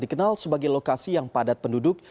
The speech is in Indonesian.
dikenal sebagai lokasi yang padat penduduk